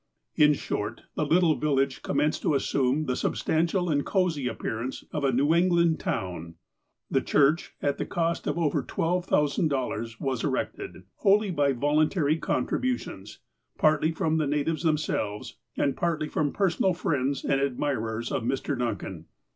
In short, the little village commenced to assume the substantial and cosy appearance of a New England town. The church, at a cost of over $12,000, was erected wholly by voluntary contributions, partly from the na tives themselves, and partly from personal friends and admirers of Mr. Duncan.